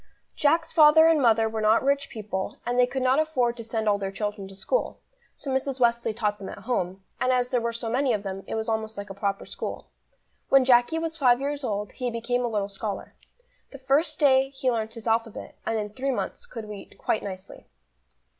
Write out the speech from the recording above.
JACK'S father and mother were not rich people, and they could not afford to send all their children to school, so Mrs. Wesley taught them at home, and as there were so many of them it was almost like a proper school. When Jacky was five years old, he became a little scholar. The first day he learnt his alphabet, and in three months could read quite nicely.